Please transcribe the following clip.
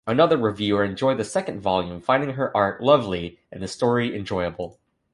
Another reviewer enjoyed the second volume, finding her art "lovely" and the story enjoyable.